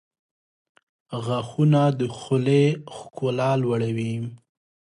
• غاښونه د خولې ښکلا لوړوي.